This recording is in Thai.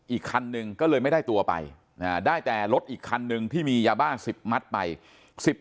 อีกคันหนึ่งก็เลยไม่ได้ตัวไปได้แต่รถอีกคันหนึ่งที่มียาบ้า๑๐มัดไป